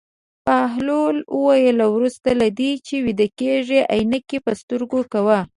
بهلول وویل: وروسته له دې چې ویده کېږې عینکې په سترګو کوه.